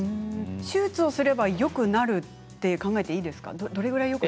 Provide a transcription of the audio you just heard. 手術をすればよくなると考えていいんですか？